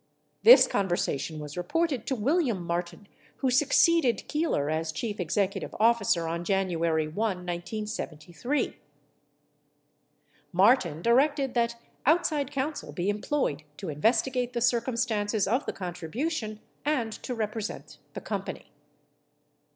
This conversation was reported to William Martin, who succeeded Keeler as chief executive officer on January 1, 1973. Martin directed that out side counsel be employed to investigate the circumstances of the con tribution and to represent the company.